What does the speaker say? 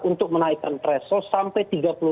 untuk menaikkan threshold sampai